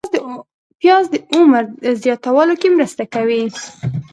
پیاز د عمر زیاتولو کې مرسته کوي